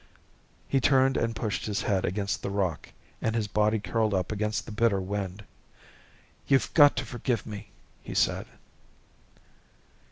He turned and pushed his head against the rock, and his body curled up against the bitter wind. "You've got to forgive me," he said.